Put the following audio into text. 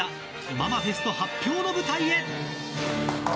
ママフェスト発表の舞台へ。